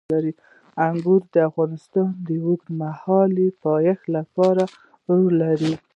انګور د افغانستان د اوږدمهاله پایښت لپاره رول لري.